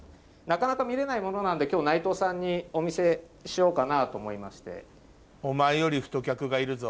なかなか見れないものなので今日内藤さんにお見せしようかなと思いまして。